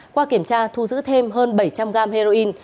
qua kiểm tra thu giữ thêm hơn bảy trăm linh g heroin